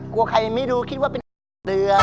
กลัวใครไม่ดูคิดว่าเป็นอาหารเหลือ